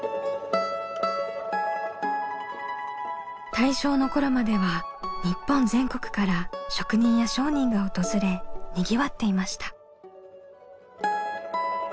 大正の頃までは日本全国から職人や商人が訪れにぎわっていました。